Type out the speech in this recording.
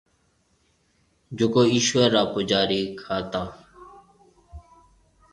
جڪو ايشوَر را پُوجاري کائيتا۔